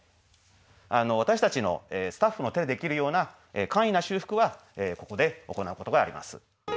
私たちのスタッフの手でできるような簡易な修復はここで行うことがあります。